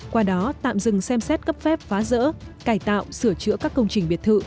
qua đó tạm dừng xem xét cấp phép phá rỡ cải tạo sửa chữa các công trình biệt thự